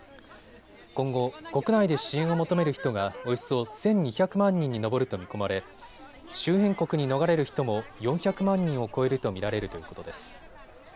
今後、国内で支援を求める人がおよそ１２００万人に上ると見込まれ、周辺国に逃れる人も４００万人を超えると見られるということです。